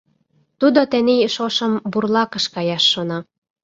Тудо тений шошым бурлакыш каяш шона.